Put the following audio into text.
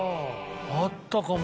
あったかも。